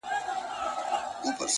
د بې جوړې زړه سپين دی لکه ستا اننگي!